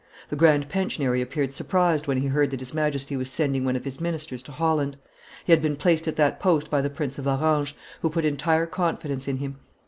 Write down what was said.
"The grand pensionary appeared surprised when he heard that his Majesty was sending one of his ministers to Holland. He had been placed at that post by the Prince of Orange, who put entire confidence in him.